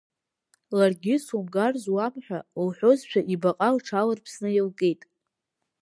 Ларгьы сумгар зуамҳәа лҳәозшәа ибаҟа лҽаларԥсны илкит.